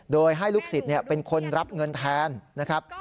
โดยให้ลูกศิษย์เป็นคนรับเงินแทนนะครับ